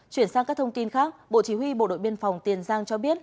chuyển sang các thông tin khác bộ chỉ huy bộ đội biên phòng tiền giang cho biết